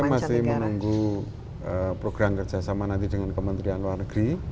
kita masih menunggu program kerjasama nanti dengan kementerian luar negeri